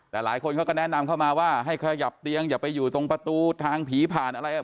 แต่หลายคนเขาก็แนะนำเข้ามาว่าให้ขยับเตียงอย่าไปอยู่ตรงประตูทางผีผ่านอะไร